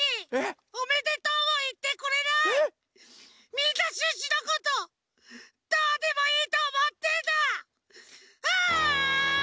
みんなシュッシュのことどうでもいいとおもってんだ！